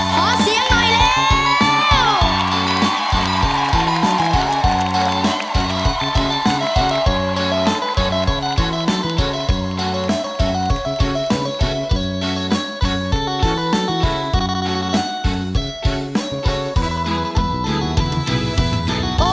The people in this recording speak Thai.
ขอเสียงหน่อยแล้ว